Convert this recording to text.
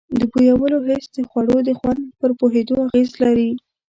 د بویولو حس د خوړو د خوند پر پوهېدو اغیز لري.